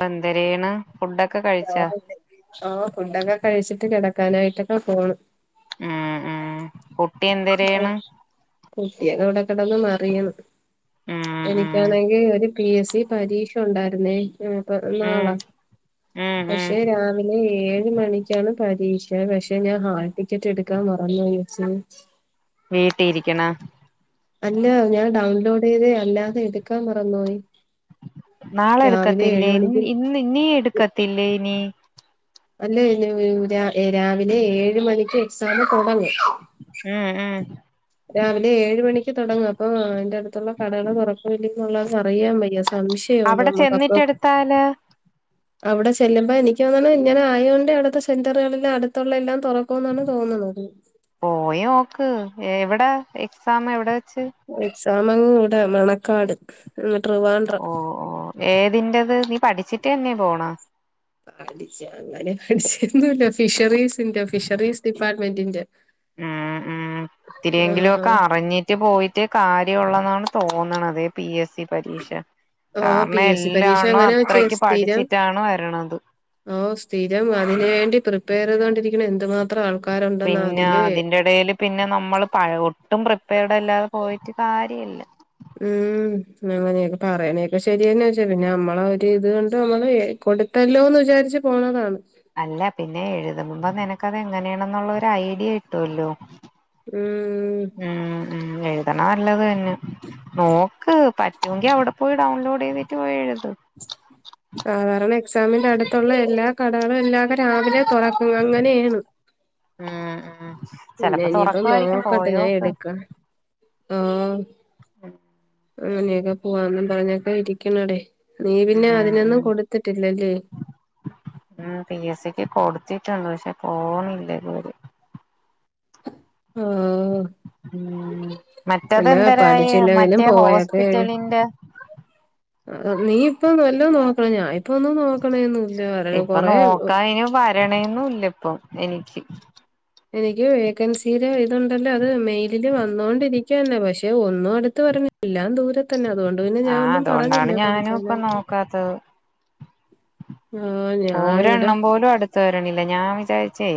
ബന്തരയാണ് ആ ആ ഫണ്ടൊക്കെ കഴിച്ചിട്ട് കിടക്ക കങ്ങനായിട്ടൊക്കെ പോണ് ഉം ഉം കുട്ടി എന്തരെയാണ് കുട്ടിളെ ഇവിടെ കെടൊന്നും മാറിയാന്നെ ഉം ഉം എനിക്കാണെങ്കി ഒരു പി എസ് സി പരീക്ഷ ഉണ്ടായിരുന്നേ ആപ്പ ഉം നാളാ ഉം ഉം പക്ഷെ രാവിലെ ഏഴ് മണിക്കാണ് പരി പരിക്ഷ പക്ഷെ ഞാൻ ഹാൽ ടിക്കറ്റ് എടുക്കാൻ മറന്ന പോച്ച വീട്ടി ഇരിക്കണ അല്ല ഞാൻ ഡൗൺലോഡ് ചെയ്ത് അല്ലാതെ എടുക്കാ മറന്നോയി നാളെ എടുക്കത്തില്ലേ മണിക്ക് ഇ ഇന്ന് നീ എടുക്കത്തില്ലേ ഇനി അല്ലേലു രാ രാവിലെ ഏഴ് മണിക്ക് എക്സാമ് ഉം ഉം രാവിലെ ഏഴ് മണിക്ക് തുടങ്ങും. അപ്പൊയെന്റെ അടുത്തൊള്ള കടകള് തുറക്കവോല്ലയോയെന്നുള്ളത് അറിയാവയ്യ അവടെ ചെന്നിട്ട് എടുത്താല് അവിടെ ചെല്ലുമ്പ എനിക്ക് തോന്ന്ണ് ഇങ്ങനെയായോണ്ട് അവടുത്തെ സെന്റുകളില് അടുത്തൊള്ളെല്ലാം തുറക്കുന്നാണ് തോന്നണത് എവിടെ എക്സാം എവിടെ? ച്ചെ സാമങ്ങടുടെ മണക്കാട് ഉം ഓ ഓ ഏതിന്റത്? നീ പഠിച്ചിട്ടന്നെ പോണെ? പഠിച്ച് അങ്ങനെ പഠിച്ചൊന്നുല്ല ഫിഷറീസിന്റെ ഫിഷറീസ് ഡിപ്പാർട്ട്മെന്റിന്റെ. ങ് ങ് ഇത്തിരിയെങ്കിലുവൊക്കെ ആഹ് അറിഞ്ഞിറ്റുപ്പോയിട്ടേ കാര്യ ള്ളെന്നാണ് തോന്നണതേ പി എസ് സി പരീക്ഷ ആഹ് പി കാരണം എസ് സി പരീക്ഷ എല്ലാണോം അങ്ങനെ വെച്ച അത്രക്ക് സ്ഥിരം പഠിച്ചിറ്റാണ് വരണത്. ഓഹ് സ്ഥിരം അതിന് വേണ്ടി പ്രിപ്പയറ് ചെയ്തൊണ്ടിരിക്കുന്ന എന്ത് മാത്രം ആൾക്ക പിന്നെ അതിന്റെടേല് പിന്നെ നമ്മള് പഴ ഒട്ടും പ്രിപ്പേർഡല്ലാതെപ്പോയി. രു കാര്യല്ല ഉം അങ്ങനെയൊ പറയണൊക്കെ ശരിതന്നെച്ചാ പിന്നെ നമ്മളൊരിത് കൊണ്ട് നമ്മള് കൊടുത്തല്ലോന്ന് വിചാരിച്ച് പോണതാണ്. അല്ല പിന്നെ എഴുതുമ്പ നിന ക്കതെങ്ങനെയാണെന്നൊള്ള ഒരഡിയ കിട്ടുവല്ലോ. ഉം ഉം ഉം ഏ യെന്ന നല്ലത് ന്നെ നോക്ക് പറ്റുങ്കിൽ അവടെപ്പോയി ഡൗൺലോഡ് ചെയ്തിറ്റ് പോയെഴുത്. സാധാരണ എക്സാമിന്റെടുത്തൊള്ളയെല്ലാ കടകളെല്ലാട രാവിലെ തെടക്കും അങ്ങനെയാണ്. ഉം ഉം ചെലപ്പോ പിന്നെയിനിയിപ്പ തുറക്കുവായിരിക്കും നോക്കട്ട് പോയോക്ക് ഞാനെടുക്ക. ആഹ് അങ്ങനെയെക്കെ പോയെന്ന് പറഞ്ഞെക്കെയിരിക്കണടേ നീ പിന്നെ ഉം അതിനൊന്നും ഉം കൊടുത്തിട്ടില്ലല്ലേ? ത്തിടൊണ്ട് പക്ഷേ പോന്നില്ലിതുവരെ. ആഹ് മറ്റത് അല്ല എന്തരായി പഠിച്ചില്ലെങ്കിലും മറ്റേ പോയൊക്കെ ഹോസ്പിറ്റലിന്റെ? നീ ഇപ്പൊ വല്ലതും [unintelligible] ഇപ്പൊന്നും നോക്കണെന്നുല്ല വര ഇപ്പൊ കൊറെ നോക്കാന് വരണേന്നും ഇപ്പം എനിക്ക് എനിക്ക് വേക്കൻസിൽ ഇതുണ്ടല്ലോ അത് മെയ് തില് വന്നോണ്ടിരി ക്ക്യന്നെ പക്ഷേ ഒ ന്നും അടുത്ത് വരുന്നില്ല, ദൂരെത്തന്നെ അതുകൊണ്ട് പിന്നെ ഞാൻ ആഹ് ഒന്നും അതുകൊണ്ടാണ് പറഞ്ഞില്ല ഞാനും ഇപ്പൊ കൊടുക്കാനായിട്ട്. ആഹ് ഞാൻ ഇവിടെ ഓരെണ്ണം പോലും അടുത്ത് വരണി ല്ല ഞാൻ വിചാരിച്ചേ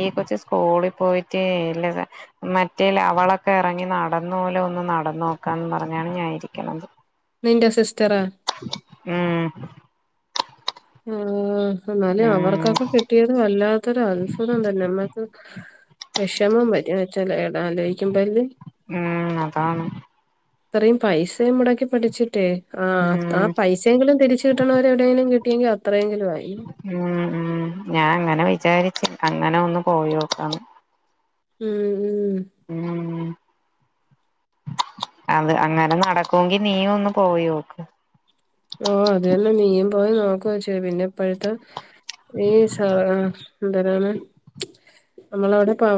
ഈ കൊച്ചു സ്കൂളി പോയിട്ടേ ഇല്ല മറ്റേല് അവളൊക്കെ എറങ്ങി നടന്ന പോലെ ഒന്ന് നടന്നോക്കാന്നും പറഞ്ഞാണ് ഞാൻ ഇരിക്കണത്. നിന്റെ സിസ്റ്ററാ ഉം ആ എന്നാലും ഉം അവർക്കൊക്കെ കിട്ടിയത് വല്ലാത്തൊരു അൽഫുതം തന്നെ നമ്മക്ക് വിഷമം വരും [unintelligible] ആലോചിക്കുമ്പോ അല്ലേ ഉം അതാണ് ഇത്രയും പൈസയും മുടക്കി പഠിച്ചിട്ടേ ആ ഉം ആ പൈസെങ്കിലും തിരിച്ചു കിട്ടണ വരെ എവിടെയങ്കിലും കി ട്ടിയെങ്കിൽ അത്രയെങ്കിലും ഉം ഉം ഞാൻ അങ്ങനെ വിചാരി അങ്ങനെ ഒന്ന് പോയി നോക്കാന്ന് ഉം ഉം അത് അങ്ങനെ നടക്കുമെങ്കി നീയൊന്ന് പോയി നോക്ക് ഓ അത് തന്നേ നീയും പോയി നോക്ക് കൊച്ചേ പിന്നെ ഇപ്പോഴത്തെ ഈ സാ എന്തരാണ് നമ്മളവിടെ ഇപ്പോ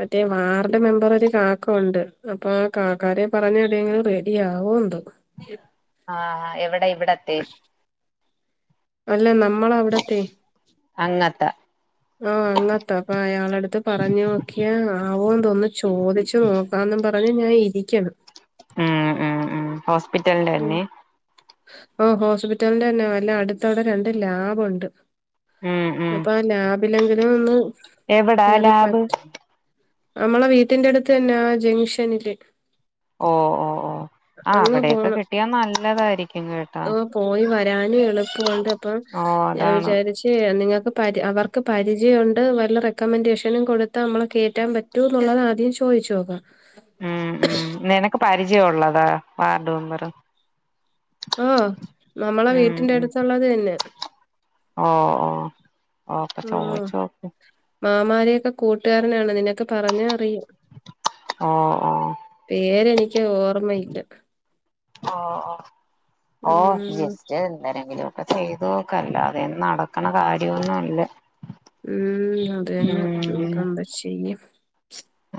മറ്റേ വാർഡ് മെമ്പറൊരു കാക്ക ഉണ്ട് അപ്പോ ആ കാക്കാരെ പറഞ്ഞ [unintelligible] പേടിയാവോ എന്തോ ആ എവിടെ ഇവ് [unintelligible] അല്ല ന നമ്മളവിടത്തെ അങ്ങത്തെ ആഹ് അങ്ങത്ത അപ്പ അയാളടുത്ത് പറഞ്ഞ നോക്കിയ ആഹ് ആവൊന്ന് തോന്നുന്നില്ല ചോദിച്ചു നോക്കാന്നും പറഞ്ഞ് ഞായിരിക്കണം ഉം ഉം ഉം ഹോസ്പിറ്റലിന്റെ ഉം ന്നെ ഓഹ് ഹോസ്പിറ്റലിന്റെന്നെ വല്ല അടുത്തവിടെ രണ്ട് ലാബൊണ്ട് ഉം ഉം അപ്പ ആഹ് ലാബ് പ്പില്ലെങ്കില് ഒന്ന് എവിടാ ലാബ് അമ്മളെ വീട്ടിന്റെ അടുത്ത് തന്നെ ആ ജംങ്ഷനില് ഓ ഓ ഓ ആഹ് അവിടെ ക്കെ പോണം കിട്ട് ട്ടിയ നല്ലതായിരിക്കും കേട്ടാ ആഹ് പോയി വരാനും എളുപ്പോവുണ്ട് അപ്പം ഓ ഞാൻ അതാണ് വിചാരിച്ച് നിങ്ങക്ക് പാരി അവർക്ക് പരിചയൊണ്ട് വല്ല റെക്കമെൻഡേഷനും കൊടുത്ത് അമ്മളെ കേറ്റാൻ പറ്റൂന്നുള്ളത ആദ്യം ചോയ്ച്ചോക്കാം പരിചയ ഒള്ളത് വാർഡ് മെമ്പറ് ഓഹ് നമ്മളെ വീട്ടിന്റെ അടുത്തൊള്ളത് തന്നെ ഓഹ് ഓഹ് ഓഹ് പ്പ ആഹ് ചോയിച്ചോക്ക് മാമാരെയൊക്കെ കൂട്ടാരനാണ് നിനക്ക് പറഞ്ഞ അറിയും ഓ ഓ പേരെനിക്ക് ഓർമ്മയില്ല ഓ ഓ ഉം അപ്പ ചെയ്ത്ഓക്കല്ലാതെ നടക്ക്ണ കാര്യൊന്നല്ല ഉം അത് തന്നെ ഇഞ്ക്കെന്ത ചെയ്യും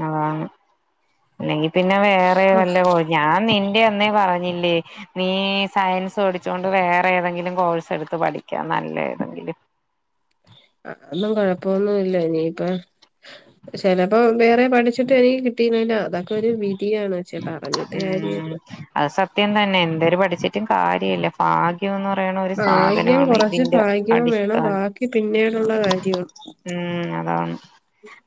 അതാണ് പിന്നെ വേറെ ഓഹ് വല്ലോ [unintelligible] ഞാൻ നിന്റെ അന്നേ പറഞ്ഞ് ന്നില്ലേ നീ സയൻസ് പഠിച്ചോണ്ട് വേറെ ഏതെങ്കിലും കോഴ്സ് എടുത്ത് പഠിക്കാം നല്ല ഏതെങ്കിലും അഹ് ഒന്നും കൊഴപ്പൊന്നുല്ല ഇനിയിപ്പ ചെലപ്പം വേറെ പഠിച്ചിട്ട് എതെന്തിലും കിട്ട് പറഞ്ഞിട്ട് കാര്യല്ല ഉം അത് സത്യം തന്നെ എന്തരു പഠിച്ചിട്ടും കാര്യ ഇല്ല ഭാഗ്യംന്ന് പ ഭാഗ്യം റേണൊരുസാധനവാണ് കുറച്ച് ഇതിന്റെ ഭാഗ്യവും വേണം അടിസ്ഥാനം ബാക്കി പിന്നീടുള്ള കാര്യമാണ് ഉം അതാണ്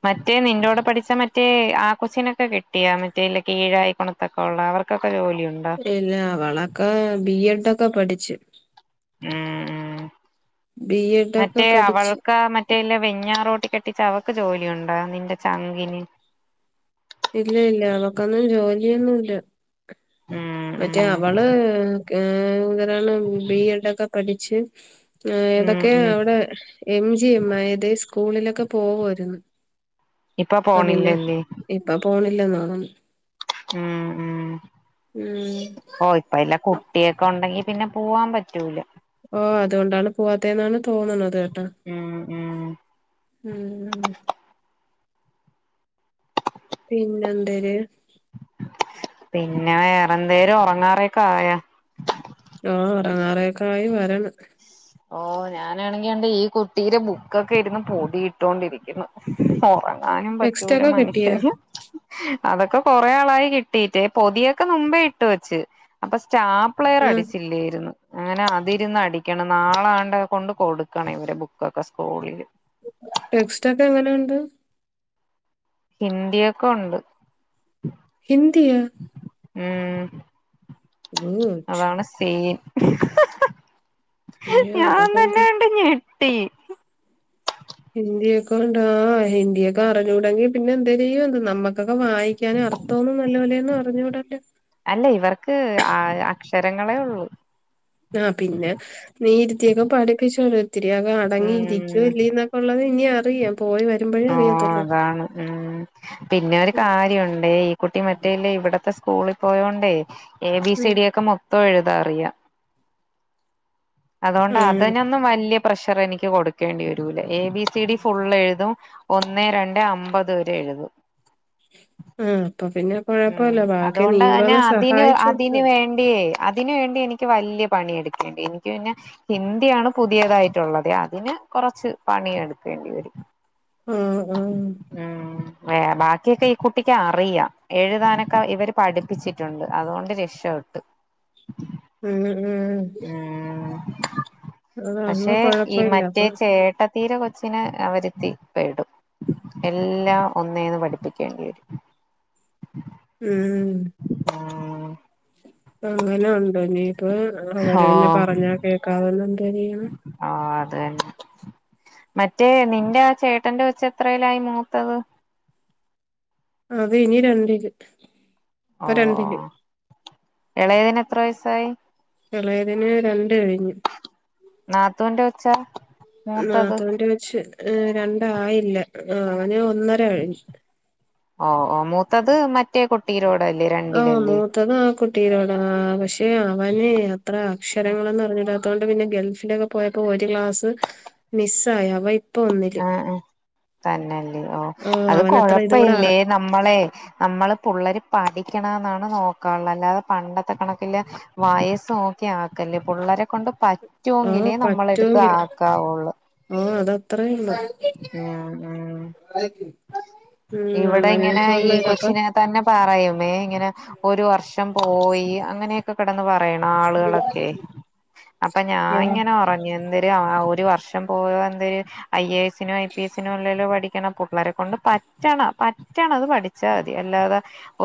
മറ്റേ നി പഠിച്ച മറ്റേ ആ കൊച്ചിനക്കി ട്ടി ആ മറ്റേല്ല കീഴായി കൊളത്തൊക്കെ ഉള്ള അവർക്ക ല്ല അവളൊക്ക ബി എഡും ക്ക പഠിച്ച് ഉം ഉം ബി എഡ് ഒക്കെ മറ്റേ പഠിച്ചു അവൾക്കാ മറ്റേല്ല വെഞ്ഞാറോ ട്ടി കെട്ടിച്ച അവക്ക് ജോലിയുണ്ടാ നിന്റെ ചങ്കിന് ഇല്ല ഇല്ല അവക്കൊന്നും ജോലിയൊന്നുല്ല ഉം മറ്റേ ഉം അവള് ഏ അണ്ബി എഡ് ഒക്കെ പഠി ച്ച് ആ ഉം ഏതൊക്കെ ഉം അവിടെ എം ജി എം തെയ്സ് സ്കൂളിലൊക്കെ പോവു ആയിരുന്നു ഇപ്പൊ പോണില്ലല്ലേ പോണില്ലെന്നാണ് ഉം ഉം ഓ ഇപ്പോഎല്ല കുട്ടിയൊക്കെ ഉണ്ടെങ്കി പിന്നെ പോവാൻ പറ്റൂല ഓ അതുകൊണ്ടാണ് പോവാത്ത എന്നാണ് തോന്നു തത് കട്ടൊ ഉം ഉം ഉം പിന്നെന്താര് പിന്നെ വേറെന്തേലും ഉറങ്ങാറക്കെ ആയാ ആ ഒറങ്ങാറൊക്കെ ആയി വരണ് ഓ ഞാനാണെങ്കിണ്ട് ഈ കുട്ടി ടെ ബുക്കൊക്കെ ഇരുന്ന് പൊതിയിട്ടോണ്ടിരിക്കുന്നു ഓറ- ടെക്സ്റ്റ് ഒറങ്ങാനുപറ്റൂല ഒക്കെ കിട്ടിയാ മനുഷ്യന് അതൊക്കെ കൊറെ ആളായി കിട്ടീട്പൊതിയൊക്കെ മുമ്പേ ഇട്ടു വെച്ച് അപ്പൊ സ്റ്റാപ്ലെയർ ആ അടിച്ചില്ലോയിരുന്നു അങ്ങനെ അതിരുന്ന് അടിക്കണം നാളാണ്ട്കൊണ്ട് കൊടുക്കണം ഇവരെ ബുക്കൊക്കെ സ്കൂളില് ടെക്സ്റ്റ ഒക്കെ എങ്ങനെ ഉണ്ട് ഹിന്ദിയൊക്കെ ഉണ്ട് ഹിന്ദിയാ ഉം ഗുഡ് അതാണ് സീൻ [inaudible] അയ്യോ അതൊക്കെ എന്ത് ഞാൻതന്നെഞട്ടി [unintelligible] ഹിന്ദിയൊ കോണ്ടാ ഹിന്ദിയൊക്കെ അറിഞ്ഞുടങ്കി പിന്നെ എന്താ ചെയ്യും എ നമ്മക്ക അക്കെ വായിക്കാനും അർത്ഥോന്നും നല്ല പോലെയന്ന് അറിഞ്ഞ ഇടല്ല ആ അക്ഷരങ്ങളേ ഉള്ളു ആ പിന്നെ നിയിരുത്തിയൊക്കെ പഠിപ്പിച്ചോ ഒത്തിരിയാകെ അടങ്ങി ഇരിക്കുവ ഉം ഇല്ല എന്നൊക്കെ ഉള്ളത് ഇനി അറിയാം പോയി വരുമ്പോഴേ ആഹ് അറിയത്തുള്ളൂ അതാണ് ഉം പിന്നെ ഒരു ഉം കാര്യംഉണ്ട്ഈ കുട്ടി മറ്റേല്ല ഇവിടത്തെ സ്കൂളിൽ പോയോണ്ട് എ ബി സി ഉം ഡിയെഒക്കെ മൊ ഇപ്പോ ഏഴുതാൻഅറിയാം അതുകൊണ്ട് ആ അതിനൊന്നും വലിയ പ്രഷർ എനിക്ക് കൊടുക്കേണ്ടി വര A B C D full എഴുതും ഒന്നെ രണ്ട് അമ്പത് വരെ എഴുതും ആഹ് ഉം അതുകൊണ്ട് തന്നെ അതിന് സഹായിച്ചു കൊടുത്തോ അതിന് വേണ്ടിയേ അതിന് വേണ്ടി എനിക്ക് വല്യ പണിയെടുക്കേണ്ടി എനിക്ക് പിന്നെ ഹിന്ദി ആണ് പുതിയതായിട്ടുള്ളത് അതിന് കൊറച്ച് പണിയെടുക്കേണ്ടി വരും ആഹ് ആഹ് ഏഹ് ബാക്കിയൊക്കെ ഈ കുട്ടിക്ക് അറിയാം എഴുതാനൊക്കെ ഇവര് പഠിപ്പിച്ചിട്ടുണ്ട് അതുകൊണ്ട് രക്ഷ വെട്ട്. ഉം ഉം അത് പക്ഷേ അങ്ങ് ഈ കൊഴപ്പല്ല മറ്റേ അപ്പൊ ചേട്ട തീരെ കൊച്ചിനെ അവരെത്തി പപെടും എല്ലാം ഒന്നേന്ന് പഠിപ്പിക്കേണ്ടി വരും. ഉം ഉം [unintelligible] [unintelligible] അവര് ഓ പിന്നെ പറഞ്ഞാ [unintelligible] എന്ത്‌ ചെയ്യാനാ? ങ്ങേ മറ്റേ നിന്റെ ആ ചേട്ടന്റെ കൊച്ച് എത്രയിലായി മൂത്തത്? അത് ഇനി രണ്ടില്. ഇപ്പ ഓ ഓ രണ്ടില്. ഇളയതിന് എത്ര വയസ്സായി? എളയതിന് രണ്ട് കഴിഞ്ഞു. നാത്തൂന്റെ കൊച്ചാ മൂത്തത് നാത്തൂന്റെ കൊച്ച് രണ്ടായി ല്ല അവന് ഒന്നര കഴി ഓ ഓ മൂത്തത് മ ആഹ് മൂത്തത് ആ കുട്ടിയുടെ കൂടാണ് പക്ഷേ അവന് അത്ര അക്ഷരങ്ങളൊന്നും അറിഞ്ഞൂടാ ത്തോണ്ട് പിന്നെ ഗൾഫിലൊക്കെ പോയപ്പോ ഒരു ക്ലാസ് മിസ്സ് ആയി അവ ആ തന്നെയല്ലേ ഓ ആഹ് അത് അവനത്ര കൊഴപ്പ ഇതും കൂടെ ഇല്ലേ അറി നമ്മളെ നമ്മള് പുള്ളര് പഠിക്കണം എന്നാണ് നോക്കാഒള്ള അല്ലാതെ പണ്ടത്തെ കണക്കില് വയസ്സ് നോക്കിയ ആവത്തില്ല പിള്ളേരെ കൊണ്ട് ആഹ് പറ്റുവെങ്കിലേ നമ്മളെടുത്ത് പറ്റുമെങ്കില് ആക്കാവുള്ളു ആ അതത്രേ ഒള്ള് ഉം ഉം ഉം ഇവിടെ ഇങ്ങനെ അങ്ങനെയൊക്കെ ഈ ഉള്ളത് അപ്പൊ കൊച്ചിനെ തന്നെ പറയും ഇങ്ങനെ ഒരു വർഷം പോയി അങ്ങനെയൊക്കെ കിടന്ന് പറ പറേണ് ആള്കളൊക്കെ അപ്പ ഞാൻ ആഹ് ഇങ്ങനെ പറഞ്ഞു എന്തര് ഒരു വർഷം പോയോ എന്തേ അയ്യേയെസ് സിനോ ഐ പി എസിനോ അല്ലല്ലോ പഠിക്കണം പിള്ളേരെ കൊണ്ട് പറ്റണം പറ്റണം അത് പഠിച്ചാ മതി അല്ലാതെ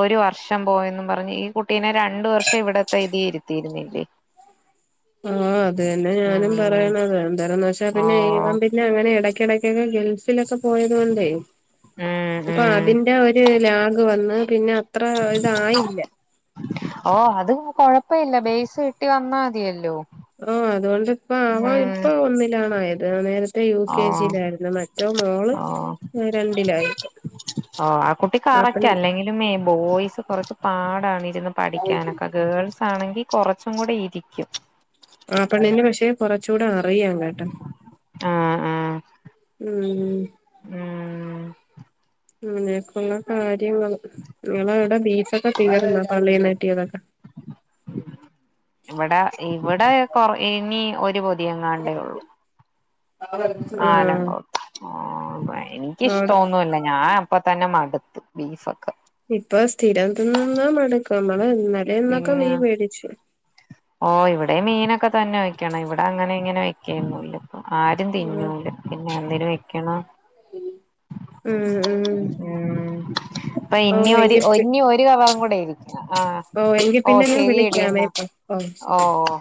ഒരു വർഷം പോയെന്നും പറഞ്ഞ് ഈ കുട്ടീനെ രണ്ടു വർഷം ഇവിടത്തെയിതീയിരുത്തിയിരുന്നില്ലേ ആ അത് തന്നെ ഞാനും പറയണത് എന്തരം ന ഓ [unintelligible] പിന്നെ [unintelligible] അങ്ങനെ ഇടയ്ക്കിടക്കൊക്കെ ഗൾഫിലൊക്കെ പോയത് കൊണ്ടേ ഉം അപ്പൊ ഉം അതിന്റെ ഒരു ലാഗ് വന്ന് പിന്നെ അത്ര ഇതായില്ല. ഓ അത് കൊഴപ്പല്ല ബേസ് കിട്ടി വന്നാ തിയല്ലോ ഓ അതൊണ്ട് ആഹ് അവൻ ഇപ്പൊ ഒന്നിലാണയത് നേരത്തെ യു ഓ കെ ജി ലായിരുന്നു മറ്റെ മോള് ഓ രണ്ടിലായിരുന്നു ഓ ആ കുട്ടി അപ്പ കറക്റ്റ് അല്ലെങ്കിലും ബോയ്സ് കുറച്ച് പാടാണ് പഠിക്കാനൊക്കെ ഗേൾസ് ആണെങ്കിൽ കുറച്ചും കൂടെ ഇരിക്കും. ആഹ് പെണ്ണിന്റെ വിഷയം കുറച്ചൂട [unintelligible] ആഹ് ആഹ് ഉം ഉം [unintelligible] കാരി ങ്ങൾ നിങ്ങള വിടെ ബീ [unintelligible] തീർന്നോ പള്ളീന്ന് കിട്ടിയതൊക്കെ ഇവിടെ ഇവിടെ കൊറ ഇനി ഒരു പൊതി തിയ്യങ്ങാണ്ടേ ഉള്ളൂ ആഹ് ആലങ്കോട്ട ആഹ് ബൈ ആടെ എനിക്കിഷ്ടൊന്നുല്ല ഞാൻ അപ്പ തന്നെ മടു ബീഫോകെ ഇപ്പൊ സ്ഥിര ത്തിന്നന്നാ മടക്കും അതല്ല തലേന്നൊക്കെ മീൻ മേടിച്ചു ഓ ഇവിടെ മീനൊക്കെ തന്നെ വയ്ക്ണെ ഇവിടെ അങ്ങനെ ഇങ്ങനെ വെകെന്നൂല്ല. ആരും ആഹ് തിന്നൂല പിന്നെ എന്തിന് വെക്കണം ഉം ഉം ഉം അപ്പൊ ഓ ഇനി ഒരു എങ്കി ഇനി ഒരു കവറും കൂ ഏ ഓ എങ്കിൽ പിന്നെന്നേലും വിളിക്കാമേ ഓ ഓ